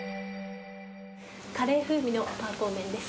カレー風味のぱーこー麺です。